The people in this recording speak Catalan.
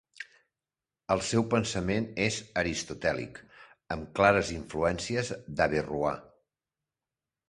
El seu pensament és aristotèlic, amb clares influències d'Averrois.